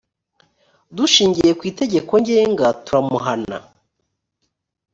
dushingiye ku itegeko ngenga turamuhana